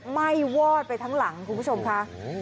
ไหม้วอดไปทั้งหลังคุณผู้ชมค่ะ